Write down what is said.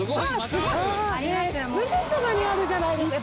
すぐそばにあるじゃないですか。